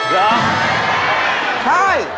เหรอใช่